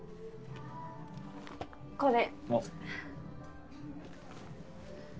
これ。